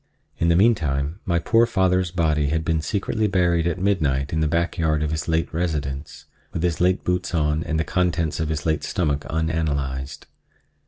In the meantime my poor father's body had been secretly buried at midnight in the back yard of his late residence, with his late boots on and the contents of his late stomach unanalyzed.